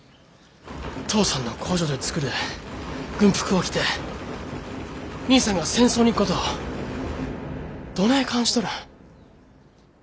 父さんの工場で作る軍服を着て兄さんが戦争に行くことをどねえ感じとるん。